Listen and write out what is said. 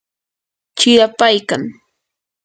chirapaykan.